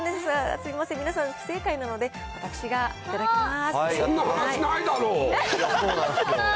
すみません、皆さん、不正解なので、私が頂きます。